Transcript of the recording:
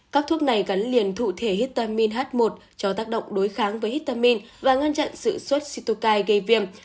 các thuốc này gắn liền thụ thể hitamine h một cho tác động đối kháng với hitamine và ngăn chặn sự suất citokai gây viêm